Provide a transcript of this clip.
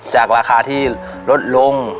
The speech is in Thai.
จากราคาที่ลดลง